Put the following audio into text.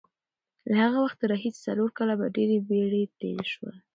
له هغه وخته راهیسې څلور کاله په ډېرې بېړې تېر شول.